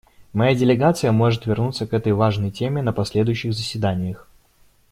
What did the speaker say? Моя делегация может вернуться к этой важной теме на последующих заседаниях.